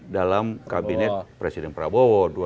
dalam kabinet presiden prabowo